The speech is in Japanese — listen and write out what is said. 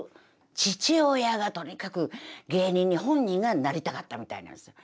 父親がとにかく芸人に本人がなりたかったみたいなんですよ。